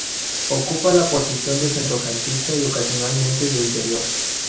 Ocupa la posición de centrocampista y ocasionalmente de interior.